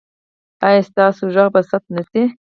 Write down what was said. ایا ستاسو غږ به ثبت نه شي؟